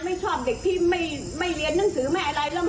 ไม่ชอบเด็กที่ไม่เรียนหนังสือไม่อะไรแล้ว